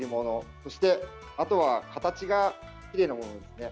そして、あとは形がきれいなものですね。